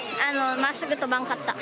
まっすぐ飛ばんかった。